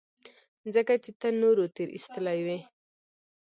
ځکه چې ته نورو تېرايستلى وې.